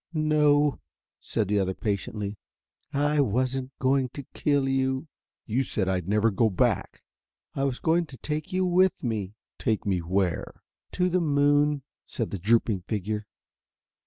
"No," said the other patiently. "I wasn't going to kill you." "You said I'd never go back." "I was going to take you with me." "Take me where?" "To the moon," said the drooping figure.